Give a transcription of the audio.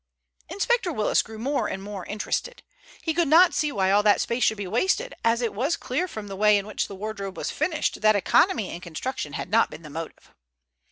Inspector Willis grew more and more interested. He could not see why all that space should be wasted, as it was clear from the way in which the wardrobe was finished that economy in construction had not been the motive.